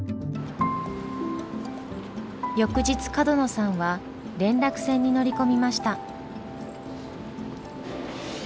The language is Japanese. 翌日角野さんは連絡船に乗り込みました。